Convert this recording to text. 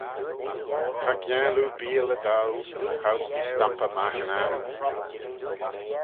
Cha giangle oo beeall y dow, choud's t'eh stampey magh yn arroo.